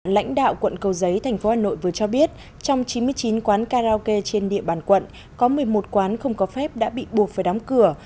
lãnh đạo quận cầu giấy thành phố hà nội vừa cho biết trong chín mươi chín quán karaoke trên địa bàn quận có một mươi một quán không có phép đã bị buộc phải đóng cửa